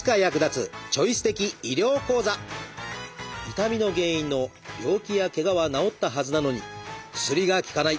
痛みの原因の病気やけがは治ったはずなのに薬が効かない！